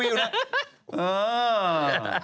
เออ